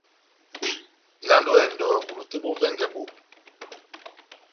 Ivalandi ó ehɛndɔ bulu tɛ́h bó vɛngɛ bó.